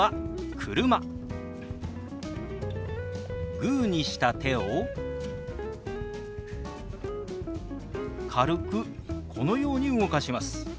グーにした手を軽くこのように動かします。